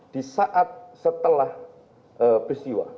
di saat setelah peristiwa